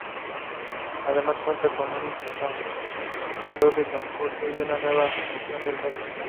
Además cuenta con un intercambiador de transporte y una nueva estación del metro.